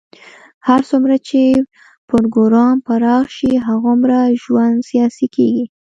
هر څومره چې پروګرام پراخ شي، هغومره ژوند سیاسي کېږي.